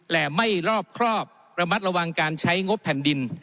และไม่รอบครอบระมัดระวังการใช้งบแผ่นดิน